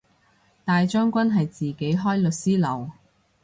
大將軍係自己開律師樓